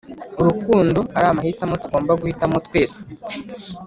urukundo ari amahitamo tugomba guhitamo twese